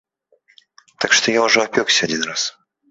Так што я ўжо апёкся адзін раз.